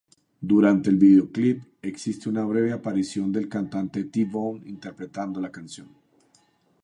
Durante el videoclip, existe una breve aparición del cantante T-Bone, interpretando la canción.